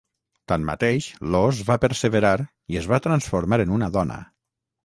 Tanmateix, l'ós va perseverar i es va transformar en una dona.